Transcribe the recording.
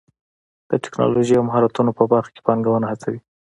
د ټکنالوژۍ او مهارتونو په برخه کې پانګونه هڅوي.